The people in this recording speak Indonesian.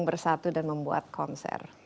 bersatu dan membuat konser